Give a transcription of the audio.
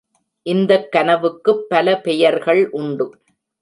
இந்தக் கனவுக்குப் பல பெயர்கள் உண்டு.